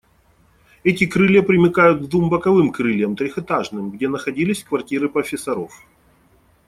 Эти крылья примыкают к двум боковым крыльям, трехэтажным, где находились квартиры профессоров.